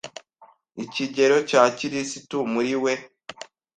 ikigero cya Kirisitu muri we